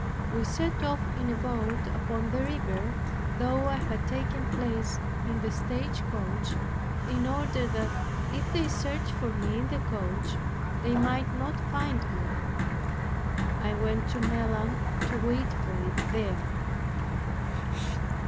We set off in a boat upon the river, though I had taken places in the stage coach, in order that, if they searched for me in the coach, they might not find me. I went to Melun to wait for it there.